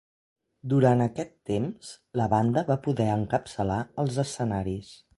Durant aquest temps, la banda va poder encapçalar els escenaris.